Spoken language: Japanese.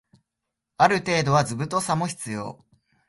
ある程度は図太さも必要